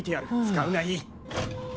使うがいい。